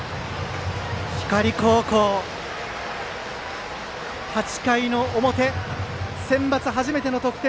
光高校、８回の表センバツ初めての得点。